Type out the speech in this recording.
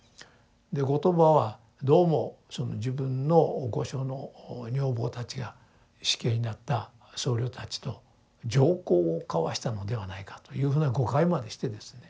で後鳥羽はどうもその自分の御所の女房たちが死刑になった僧侶たちと情交を交わしたのではないかというふうな誤解までしてですね。